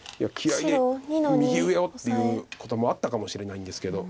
白２の二オサエ。っていうこともあったかもしれないんですけど。